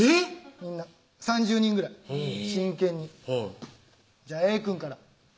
みんな３０人ぐらい真剣にはい「じゃあＡくんから」